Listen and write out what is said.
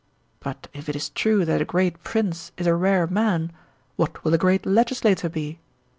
But if it is true that a great prince is a rare man, what will a great legislator be?